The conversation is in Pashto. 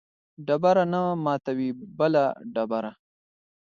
ډبره نه ماتوي بله ډبره